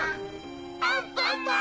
アンパンマン！